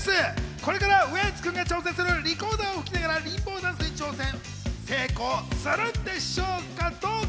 これからウエンツ君が挑戦するリコーダーを吹きながらリンボーダンスに挑戦、成功するんでしょうか？